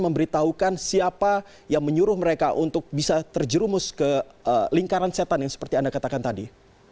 bahwa mereka seolah sudah bersumpah tidak akan memberitahukan siapa yang menyuruh mereka untuk bisa terjerumus ke lingkaran setan yang seperti anda katakan tadi